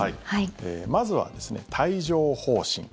まずは帯状疱疹。